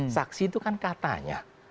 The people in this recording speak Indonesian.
saksi itu kan katanya